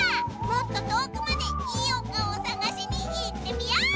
もっととおくまでいいおかおさがしにいってみよう！